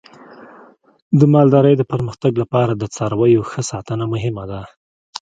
د مالدارۍ د پرمختګ لپاره د څارویو ښه ساتنه مهمه ده.